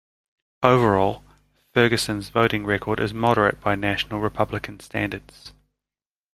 Overall, Ferguson's voting record is moderate by national Republican standards.